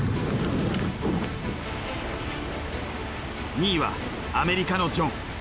２位はアメリカのジョン。